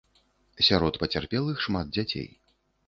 Сярод пацярпелых шмат дзяцей.